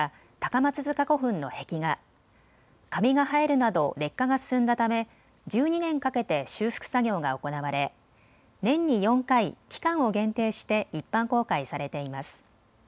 カビが生えるなど劣化が進んだため１２年かけて修復作業が行われ、年に４回、期間を限定して一般公開されています。